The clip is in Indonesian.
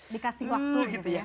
dikasih waktu gitu ya